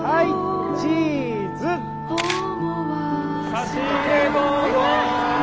差し入れどうぞ。